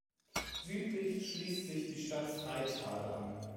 Südlich schließt sich die Stadt Freital an.